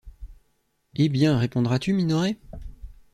Eh! bien, répondras-tu, Minoret?